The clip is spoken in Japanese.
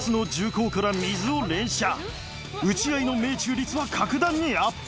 撃ち合いの命中率は格段にアップ